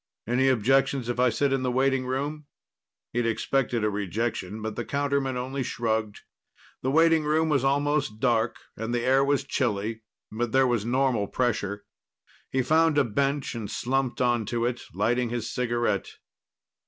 "Any objections if I sit in the waiting room?" He'd expected a rejection, but the counterman only shrugged. The waiting room was almost dark and the air was chilly, but there was normal pressure. He found a bench and slumped onto it, lighting his cigarette.